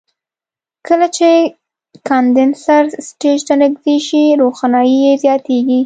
کله چې کاندنسر سټیج ته نږدې شي روښنایي یې زیاتیږي.